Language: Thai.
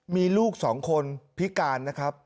มีลูก๒คนพิการนะครับ